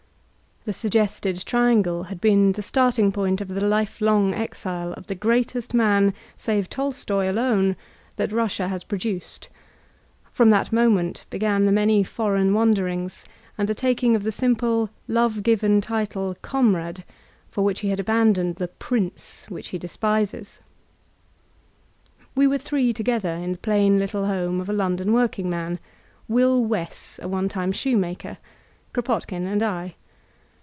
The suggested triangle had been the starting point of the life long exile of the greatest nian» save Tolstoy alone, that Russia has pro duced ; from that moment b^an the many foreign wan derings and the taking of the simple, love given title "Comrade/' for which he had abandoned the "Prince, which he despises. We were three together in the plain little home of a London workingman — Will Wess, a one time shoemaker — Kropotkin, and I.